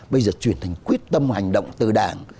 bây giờ chuyển thành quyết tâm hành động từ đảng